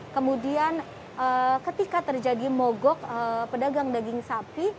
kemudian ketika terjadi mogok pedagang daging sapi